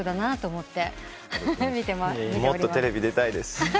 もっとテレビ出たいです。